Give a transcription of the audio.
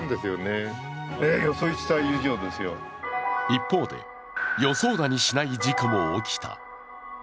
一方で、予想だにしない事故も起きた。